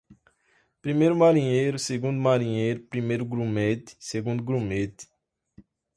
Primeiro-Marinheiro, Segundo-Marinheiro, Primeiro-Grumete, Segundo-Grumete